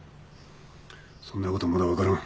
そんなことまだ分からん。